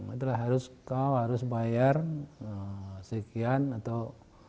itulah harus kau harus bayar sekian atau